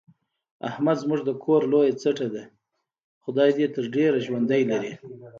احمد زموږ د کور لویه سټه ده، خدای دې تر ډېرو ژوندی لري.